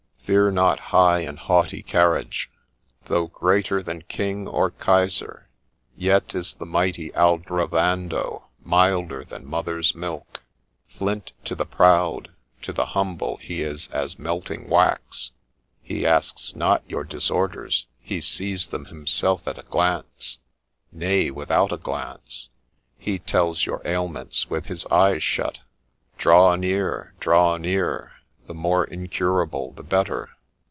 Fear not high and haughty carriage : though greater than King or Kaiser, yet is the mighty Aldrovando milder than mother's milk ; flint to the proud, to the humble he is as melting wax ; he asks not your disorders, he sees them himself at a glance — nay, without a glance ; he tells your ailments with his eyes shut !— Draw near ! draw near ! the more incurable the better